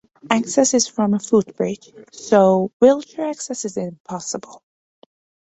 Access is from a footbridge, so wheelchair access is impossible.